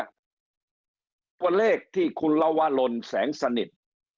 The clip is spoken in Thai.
ตัวเลขที่คุณลวรลแสงสนิท